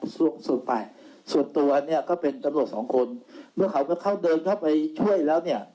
ส่วนสุดไปส่วนตัวเนี่ยก็เป็นตำรวจสองคนเมื่อเขาเดินเข้าไปช่วยแล้วเนี่ย